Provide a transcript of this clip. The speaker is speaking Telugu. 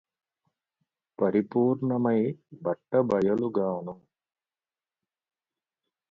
పరిపూర్ణమై బట్టబయలుగాను